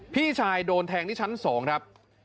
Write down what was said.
พี่ชายโดนแทงที่ชั้น๒ครับ